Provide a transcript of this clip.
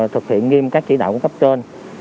thực hiện nghiêm các chỉ đạo của cấp trên